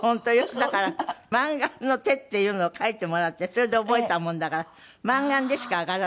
だから満貫の手っていうのを書いてもらってそれで覚えたもんだから満貫でしか上がらないっていう。